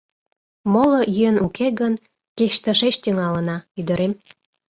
Моло йӧн уке гын, кеч тышеч тӱҥалына, ӱдырем.